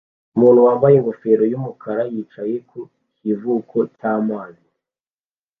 Umuntu wambaye ingofero yumukara yicaye ku kivuko cyamazi